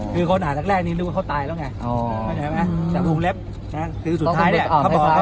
คือคนอ่านตั้งแต่ละครั้งนี้รู้ว่าเขาตายแล้วไง